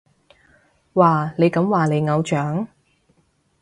哇，你咁話你偶像？